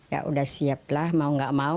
ya sudah siap lah mau gak mau